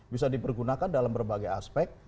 bisa dipergunakan dalam berbagai aspek